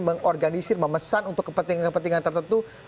memorganisir memesan untuk kepentingan tertentu